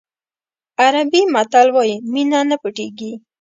عربي متل وایي مینه نه پټېږي.